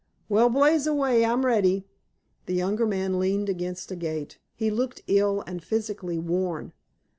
"Well, blaze away. I'm ready." The younger man leaned against a gate. He looked ill and physically worn.